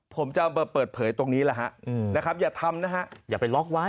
ผมจะเปิดเผยตรงนี้นะฮะนะครับอย่าทำนะฮะ